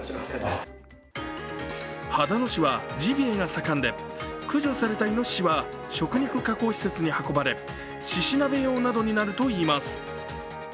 秦野市はジビエが盛んで駆除されたいのししは食肉加工施設に運ばれしし鍋用などになるといいます。